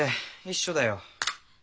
一緒だよ。